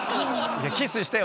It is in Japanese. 「いやキスしてよ」